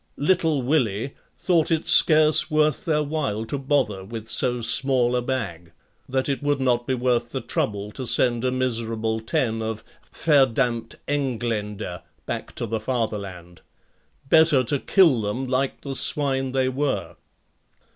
"Little Willie" thought it scarce worth their while to bother with so small a bag; that it would not be worth the trouble to send a miserable ten of Verdamnt Engländer back to the Fatherland Better to kill them like the swine they were.